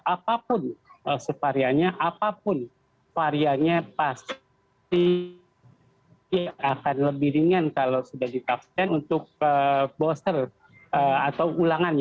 apapun suvariannya apapun suvariannya pasti akan lebih ringan kalau sudah divaksin untuk boster atau ulangannya